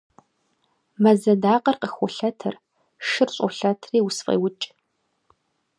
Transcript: Мэз адакъэр къыхолъэтыр, шыр щӏолъэтри усфӏеукӏ.